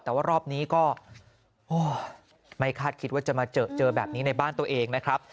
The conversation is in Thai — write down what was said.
แต่ว่ารอบนี้ก็ไม่คาดคิดว่าจะมาเจอแบบนี้ในบ้านตัวเองนะครับ